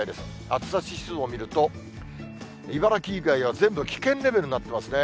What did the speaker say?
暑さ指数を見ると、茨城以外は全部危険レベルになってますね。